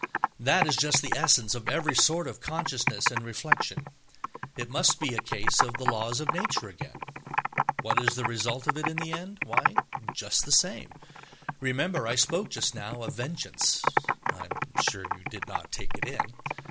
That is just the essence of every sort of consciousness and reflection. It must be a case of the laws of nature again. What is the result of it in the end? Why, just the same. Remember I spoke just now of vengeance. (I am sure you did not take it in.)